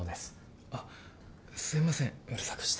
あっすいませんうるさくして。